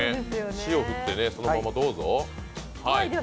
塩振ってそのままどうぞ。